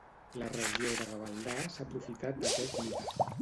La regió de Gavaldà s'ha aprofitat d'aquest mite?